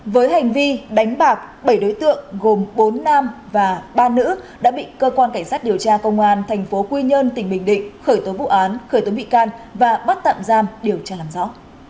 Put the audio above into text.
với hành vi đánh bạc bảy đối tượng gồm bốn nam và ba nữ đã bị cơ quan cảnh sát điều tra công an tp quy nhơn tỉnh bình định khởi tố vụ án khởi tố bị can và bắt tạm giam điều tra làm rõ